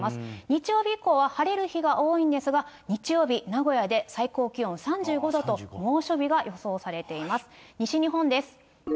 日曜日以降は晴れる日が多いんですが、日曜日、名古屋で最高気温３５度と、猛暑日が予想されています。